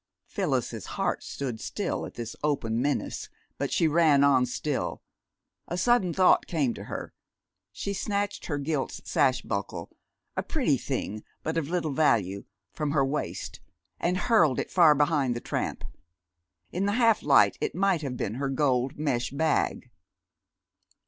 Phyllis's heart stood still at this open menace, but she ran on still. A sudden thought came to her. She snatched her gilt sash buckle a pretty thing but of small value from her waist, and hurled it far behind the tramp. In the half light it might have been her gold mesh bag.